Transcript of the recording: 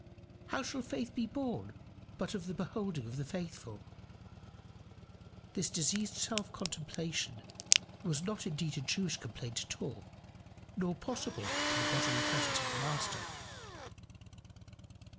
How shall faith be born but of the beholding of the faithful? This diseased self contemplation was not indeed a Jewish complaint at all, nor possible in the bodily presence of the Master.